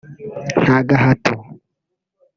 nta gahato